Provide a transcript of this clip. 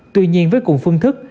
tuy nhiên với cùng phương thức